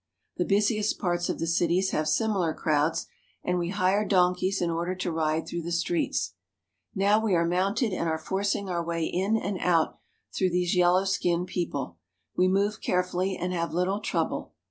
The busiest parts of the cities have similar crowds, and we hire donkeys in order to ride through the streets. Now we are mounted and are forcing our way in and out through these yellow skinned people. We move care fully, and have little trouble.